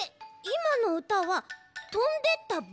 いまのうたは「とんでったバナナ」